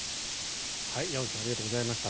山木さんありがとうございました。